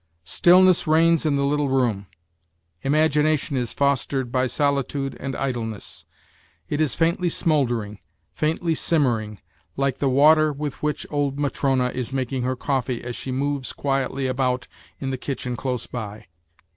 Stillness reigns in the little room; imagination is fostered by solitude and idleness ; it is faintly smouldering, faintly simmer ing, like the water with which old Matrona is making her coffee as she moves quietly about in the kitchen close by.